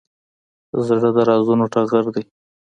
زړه د رازونو ټغر دی.